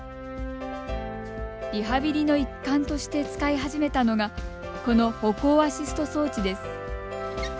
リハビリの一環として使い始めたのがこの歩行アシスト装置です。